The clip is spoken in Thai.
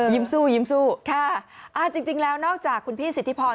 ยิ้มสู้ค่ะจริงแล้วนอกจากคุณพี่สิทธิพร